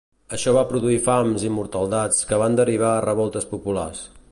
Això va produir fams i mortaldats que van derivar a revoltes populars.